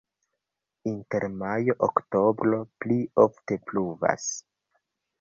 Inter majo-oktobro pli ofte pluvas.